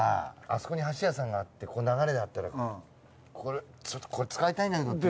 そこに箸屋さんがあって流れであったらこれちょっと使いたいんだけどって。